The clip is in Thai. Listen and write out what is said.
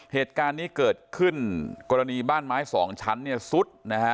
เหตุการณ์นี้เกิดขึ้นกรณีบ้านไม้สองชั้นเนี่ยซุดนะฮะ